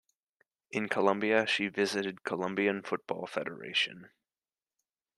In Colombia, she visited Colombian Football Federation.